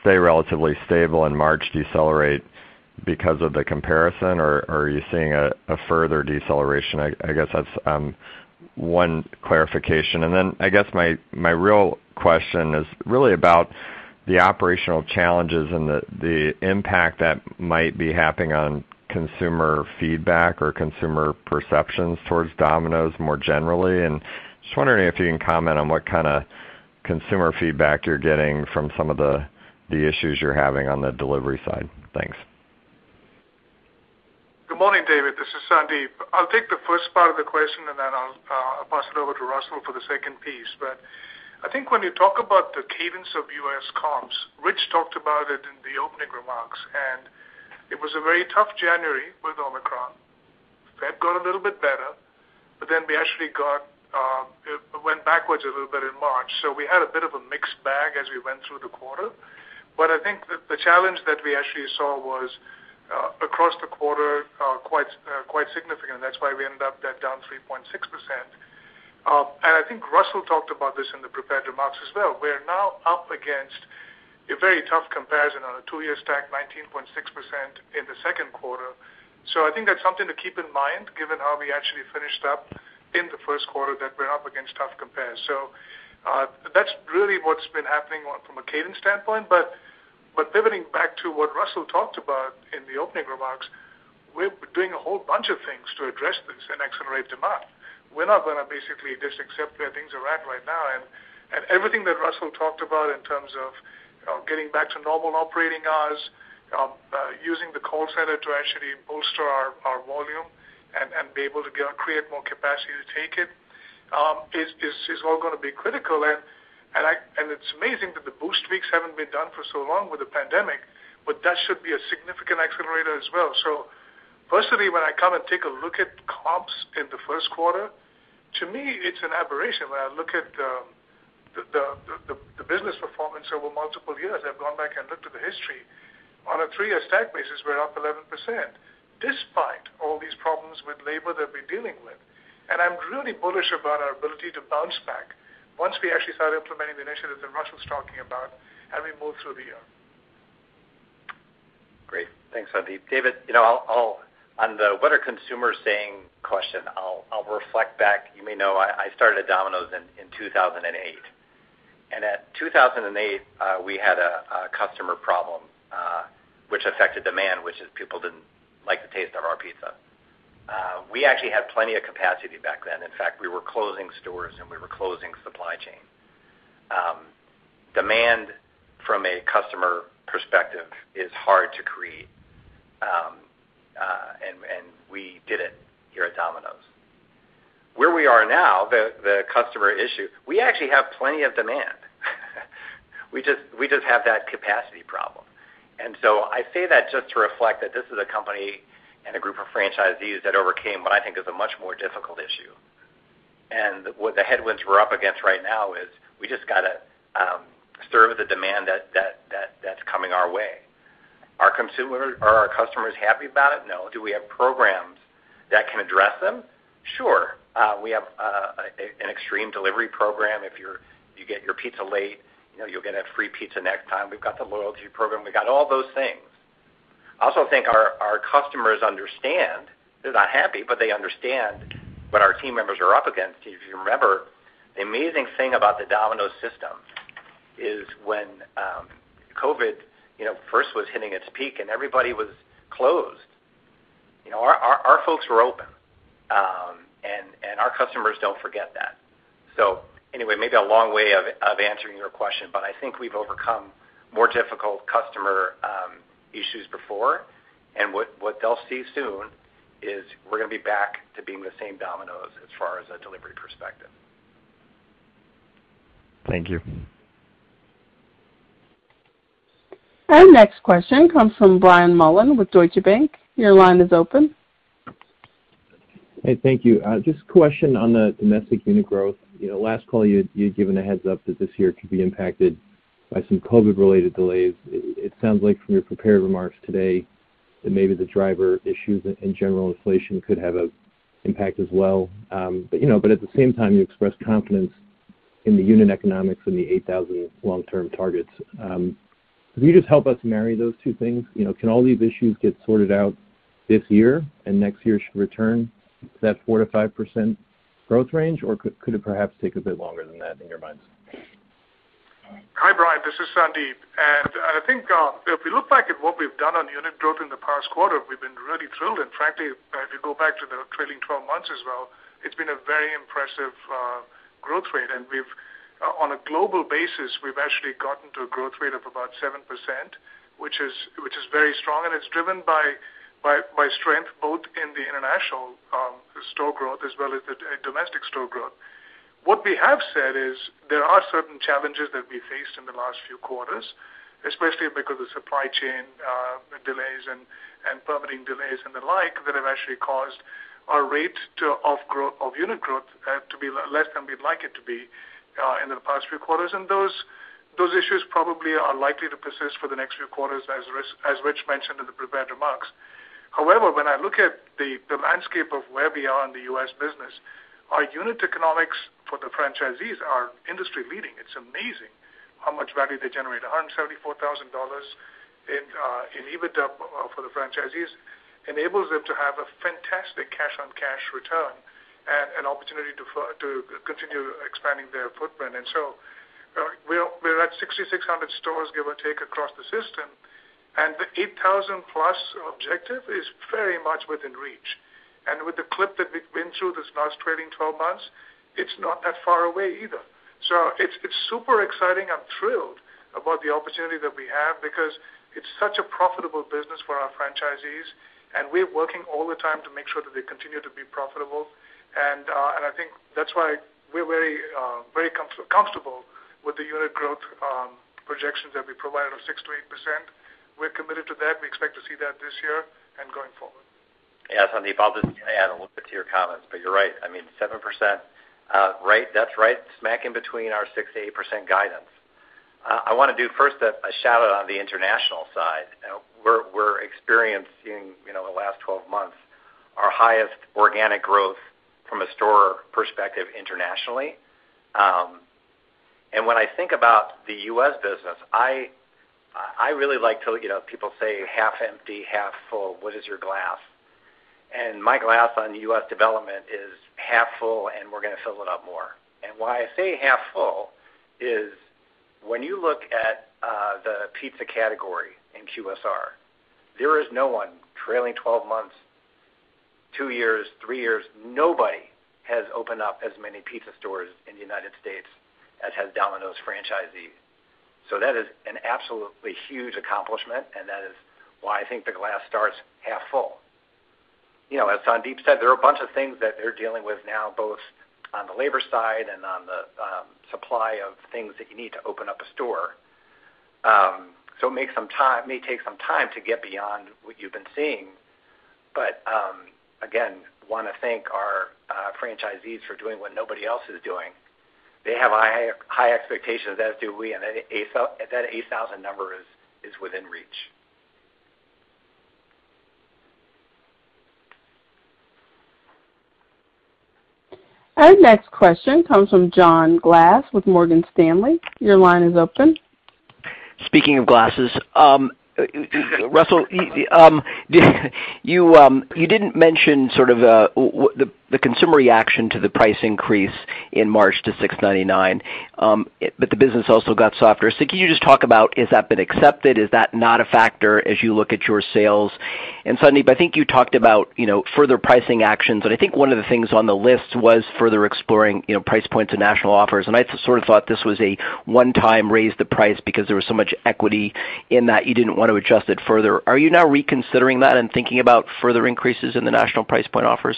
stay relatively stable in March, decelerate because of the comparison, or are you seeing a further deceleration? I guess that's one clarification. Then I guess my real question is really about the operational challenges and the impact that might be happening on consumer feedback or consumer perceptions towards Domino's more generally. Just wondering if you can comment on what kinda consumer feedback you're getting from some of the issues you're having on the delivery side. Thanks. Good morning, David. This is Sandeep. I'll take the first part of the question, and then I'll pass it over to Russell for the second piece. I think when you talk about the cadence of U.S. comps, Rich talked about it in the opening remarks, and it was a very tough January with Omicron. February got a little bit better, but then we actually got. Backwards a little bit in March. We had a bit of a mixed bag as we went through the quarter. I think that the challenge that we actually saw was across the quarter quite significant. That's why we ended up down 3.6%. I think Russell talked about this in the prepared remarks as well. We're now up against a very tough comparison on a two-year stack, 19.6% in the second quarter. I think that's something to keep in mind, given how we actually finished up in the first quarter, that we're up against tough compares. That's really what's been happening from a cadence standpoint. Pivoting back to what Russell talked about in the opening remarks, we're doing a whole bunch of things to address this and accelerate demand. We're not gonna basically just accept where things are at right now. Everything that Russell talked about in terms of, you know, getting back to normal operating hours, using the call center to actually bolster our volume and be able to go create more capacity to take it is all gonna be critical. It's amazing that the Boost Weeks haven't been done for so long with the pandemic, but that should be a significant accelerator as well. Personally, when I come and take a look at comps in the first quarter, to me, it's an aberration when I look at the business performance over multiple years. I've gone back and looked at the history. On a three-year stack basis, we're up 11%, despite all these problems with labor that we're dealing with. I'm really bullish about our ability to bounce back once we actually start implementing the initiatives that Russell's talking about as we move through the year. Great. Thanks, Sandeep. David, on the what are consumers saying question, I'll reflect back. You may know I started at Domino's in 2008. At 2008, we had a customer problem which affected demand, which is people didn't like the taste of our pizza. We actually had plenty of capacity back then. In fact, we were closing stores, and we were closing supply chain. Demand from a customer perspective is hard to create. We did it here at Domino's. Where we are now, the customer issue, we actually have plenty of demand. We just have that capacity problem. I say that just to reflect that this is a company and a group of franchisees that overcame what I think is a much more difficult issue. What the headwinds we're up against right now is we just gotta serve the demand that's coming our way. Are our customers happy about it? No. Do we have programs that can address them? Sure. We have an extreme delivery program. If you get your pizza late, you know, you'll get a free pizza next time. We've got the loyalty program. We got all those things. I also think our customers understand, they're not happy, but they understand what our team members are up against. If you remember, the amazing thing about the Domino's system is when COVID, you know, first was hitting its peak and everybody was closed, you know, our folks were open. And our customers don't forget that. Anyway, maybe a long way of answering your question, but I think we've overcome more difficult customer issues before. What they'll see soon is we're gonna be back to being the same Domino's as far as a delivery perspective. Thank you. Our next question comes from Brian Mullan with Deutsche Bank. Your line is open. Hey, thank you. Just a question on the domestic unit growth. You know, last call you'd given a heads-up that this year could be impacted by some COVID-related delays. It sounds like from your prepared remarks today that maybe the driver issues and general inflation could have an impact as well. You know, but at the same time, you expressed confidence in the unit economics and the 8,000 long-term targets. Could you just help us marry those two things? You know, can all these issues get sorted out this year and next year should return to that 4%-5% growth range, or could it perhaps take a bit longer than that in your minds? Hi, Brian. This is Sandeep. I think if we look back at what we've done on unit growth in the past quarter, we've been really thrilled. Frankly, if you go back to the trailing twelve months as well, it's been a very impressive growth rate. We've on a global basis actually gotten to a growth rate of about 7%, which is very strong, and it's driven by strength both in the international store growth as well as the domestic store growth. What we have said is there are certain challenges that we faced in the last few quarters, especially because of supply chain delays and permitting delays and the like that have actually caused our rate of unit growth to be less than we'd like it to be in the past few quarters. Those issues probably are likely to persist for the next few quarters as Rich mentioned in the prepared remarks. However, when I look at the landscape of where we are in the U.S. business, our unit economics for the franchisees are industry-leading. It's amazing how much value they generate. $134,000 in EBITDA for the franchisees enables them to have a fantastic cash-on-cash return and an opportunity to continue expanding their footprint. We're at 6,600 stores, give or take, across the system, and the 8,000 plus objective is very much within reach. With the clip that we've been through this last trading twelve months, it's not that far away either. It's super exciting. I'm thrilled about the opportunity that we have because it's such a profitable business for our franchisees, and we're working all the time to make sure that they continue to be profitable. I think that's why we're very comfortable with the unit growth projections that we provided of 6%-8%. We're committed to that. We expect to see that this year and going forward. Yes, Sandeep, I'll just, you know, add a little bit to your comments. You're right. I mean, 7%, right, that's right smack in between our 6%-8% guidance. I wanna do first a shout-out on the international side. You know, we're experiencing, you know, the last 12 months, our highest organic growth from a store perspective internationally. When I think about the US business, I really like to, you know, people say half empty, half full, what is your glass? My glass on US development is half full, and we're gonna fill it up more. Why I say half full is when you look at the pizza category in QSR, there is no one trailing 12 months, 2 years, 3 years, nobody has opened up as many pizza stores in the United States as has Domino's franchisees. So that is an absolutely huge accomplishment, and that is why I think the glass starts half full. You know, as Sandeep said, there are a bunch of things that they're dealing with now, both on the labor side and on the supply of things that you need to open up a store. May take some time to get beyond what you've been seeing. Again, wanna thank our franchisees for doing what nobody else is doing. They have high expectations, as do we, and that 8,000 number is within reach. Our next question comes from John Glass with Morgan Stanley. Your line is open. Speaking of Glass, Russell, you didn't mention sort of the consumer reaction to the price increase in March to $6.99, but the business also got softer. Can you just talk about, has that been accepted? Is that not a factor as you look at your sales? Sandeep, I think you talked about, you know, further pricing actions, and I think one of the things on the list was further exploring, you know, price points and national offers. I sort of thought this was a one-time raise the price because there was so much equity in that you didn't want to adjust it further. Are you now reconsidering that and thinking about further increases in the national price point offers?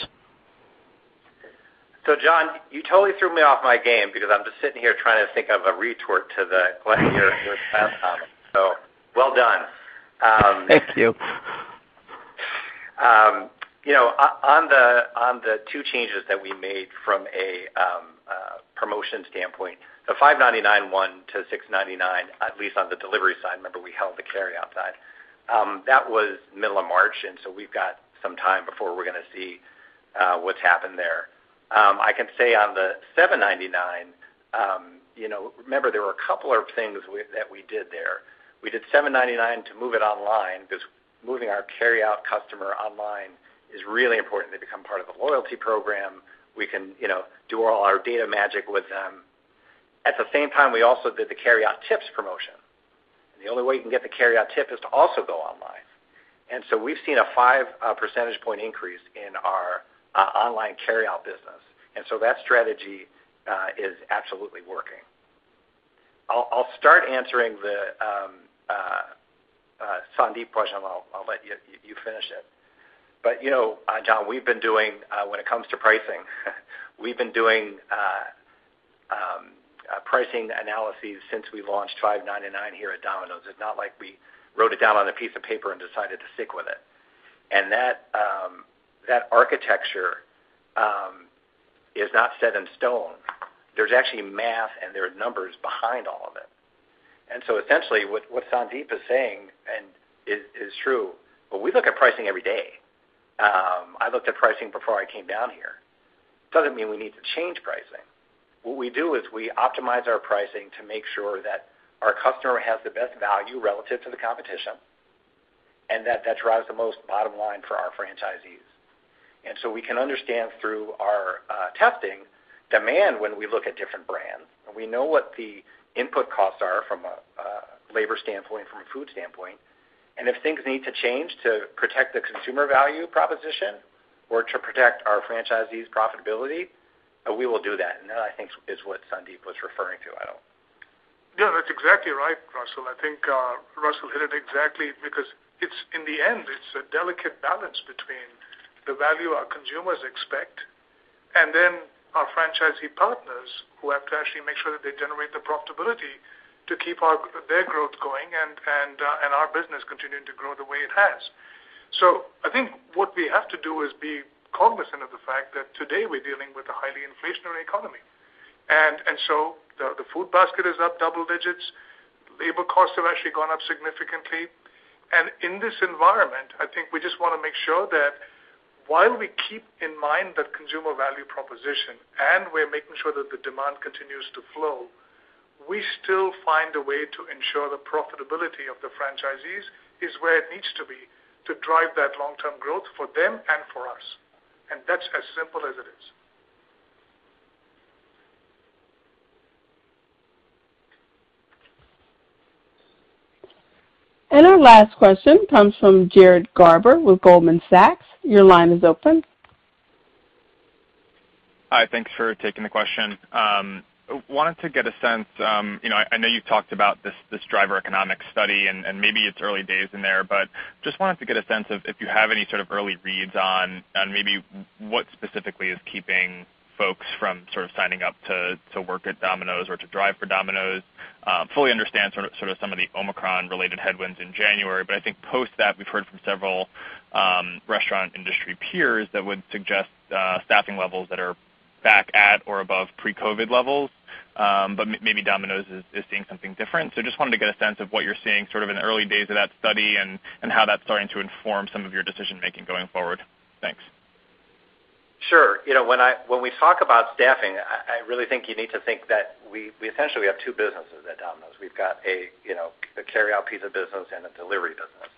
John, you totally threw me off my game because I'm just sitting here trying to think of a retort to the Glass comment. Well done. Thank you. You know, on the two changes that we made from a promotion standpoint, the $5.99 one to $6.99, at least on the delivery side, remember, we held the carryout side, that was middle of March, and so we've got some time before we're gonna see what's happened there. I can say on the $7.99, you know, remember there were a couple of things that we did there. We did $7.99 to move it online because moving our carryout customer online is really important. They become part of the loyalty program. We can, you know, do all our data magic with them. At the same time, we also did the carryout tips promotion, and the only way you can get the carryout tip is to also go online. We've seen a 5 percentage point increase in our online carryout business. That strategy is absolutely working. I'll start answering the Sandeep question. I'll let you finish it. You know, John, we've been doing, when it comes to pricing, we've been doing pricing analyses since we launched $5.99 here at Domino's. It's not like we wrote it down on a piece of paper and decided to stick with it. That architecture is not set in stone. There's actually math and there are numbers behind all of it. Essentially what Sandeep is saying is true, but we look at pricing every day. I looked at pricing before I came down here. Doesn't mean we need to change pricing. What we do is we optimize our pricing to make sure that our customer has the best value relative to the competition, and that that drives the most bottom line for our franchisees. We can understand through our testing demand when we look at different brands, and we know what the input costs are from a labor standpoint, from a food standpoint. If things need to change to protect the consumer value proposition or to protect our franchisees' profitability, we will do that. That, I think, is what Sandeep was referring to. I don't. Yeah, that's exactly right, Russell. I think, Russell hit it exactly because it's, in the end, it's a delicate balance between the value our consumers expect and then our franchisee partners who have to actually make sure that they generate the profitability to keep their growth going and our business continuing to grow the way it has. I think what we have to do is be cognizant of the fact that today we're dealing with a highly inflationary economy. The food basket is up double digits. Labor costs have actually gone up significantly. In this environment, I think we just wanna make sure that while we keep in mind that consumer value proposition, and we're making sure that the demand continues to flow, we still find a way to ensure the profitability of the franchisees is where it needs to be to drive that long-term growth for them and for us. That's as simple as it is. Our last question comes from Jared Garber with Goldman Sachs. Your line is open. Hi. Thanks for taking the question. Wanted to get a sense, you know, I know you've talked about this driver economic study, and maybe it's early days in there. Just wanted to get a sense of if you have any sort of early reads on maybe what specifically is keeping folks from sort of signing up to work at Domino's or to drive for Domino's. Fully understand sort of some of the Omicron-related headwinds in January. I think post that, we've heard from several restaurant industry peers that would suggest staffing levels that are back at or above pre-COVID levels. Maybe Domino's is seeing something different. Just wanted to get a sense of what you're seeing sort of in the early days of that study and how that's starting to inform some of your decision-making going forward. Thanks. Sure. You know, when we talk about staffing, I really think you need to think that we essentially have two businesses at Domino's. We've got you know, a carryout pizza business and a delivery business.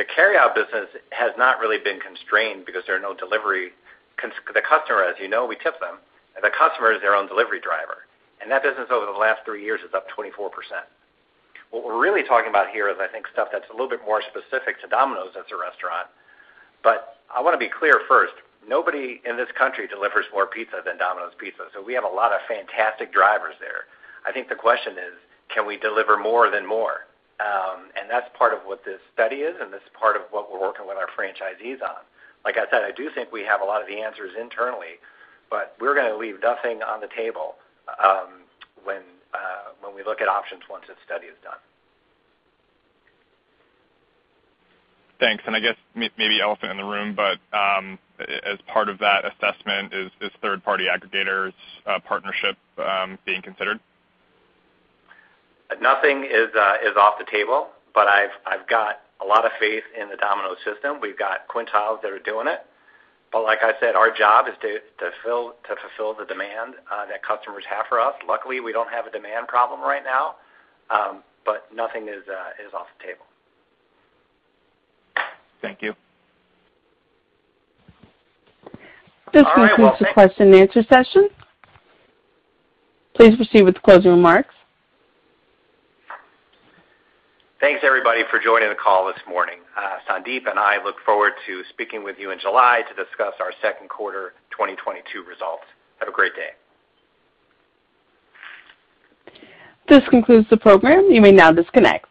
The carryout business has not really been constrained because there are no delivery constraints, the customer, as you know, we tip them, and the customer is their own delivery driver. That business over the last three years is up 24%. What we're really talking about here is, I think, stuff that's a little bit more specific to Domino's as a restaurant. I wanna be clear first, nobody in this country delivers more pizza than Domino's Pizza, so we have a lot of fantastic drivers there. I think the question is, can we deliver more than more? That's part of what this study is, this is part of what we're working with our franchisees on. Like I said, I do think we have a lot of the answers internally, we're gonna leave nothing on the table, when we look at options once this study is done. Thanks. I guess maybe elephant in the room, but as part of that assessment, is third-party aggregators partnership being considered? Nothing is off the table, but I've got a lot of faith in the Domino's system. We've got quintiles that are doing it. Like I said, our job is to fulfill the demand that customers have for us. Luckily, we don't have a demand problem right now, but nothing is off the table. Thank you. All right. Well, thanks. This concludes the question and answer session. Please proceed with closing remarks. Thanks, everybody, for joining the call this morning. Sandeep and I look forward to speaking with you in July to discuss our second quarter 2022 results. Have a great day. This concludes the program. You may now disconnect.